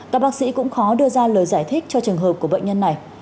các bác sĩ cũng khó đưa ra lời giải thích cho trường hợp của bệnh nhân này